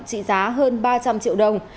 trị giá hơn ba trăm linh triệu đồng